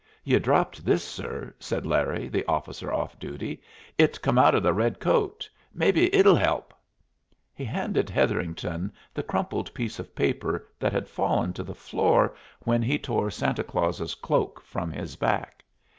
"Ye dropped this, sir," said Larry, the officer off duty. "It come out of the red coat mebbe it'll help " He handed Hetherington the crumpled piece of paper that had fallen to the floor when he tore Santa Claus's cloak from his back.